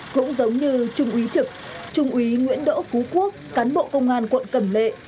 cũng giống như trung úy trực trung úy nguyễn đỗ phú quốc cán bộ công an quận cẩm lệ